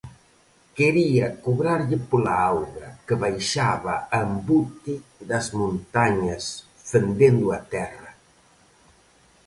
Quería cobrarlle pola auga, que baixaba a embute das montañas fendendo a terra.